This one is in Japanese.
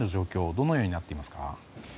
どのようになっていますか？